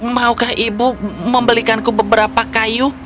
maukah ibu membelikanku beberapa kayu